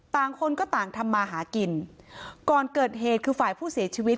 คนก็ต่างทำมาหากินก่อนเกิดเหตุคือฝ่ายผู้เสียชีวิต